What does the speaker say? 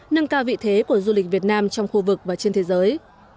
nâng cao vị thế của du lịch việt nam trong khu vực và trên thế giới